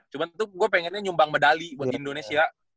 cuma tuh gue pengennya nyumbang medali buat indonesia